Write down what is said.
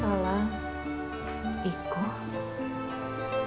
ikuh pasti dikutuk